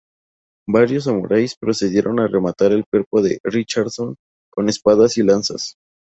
Varios samuráis procedieron a rematar el cuerpo de Richardson con espadas y lanzas.